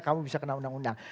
kamu bisa kena undang undang